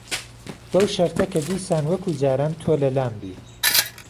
بهو شهرته که دیسان وهکوو جاران تۆ له لام بی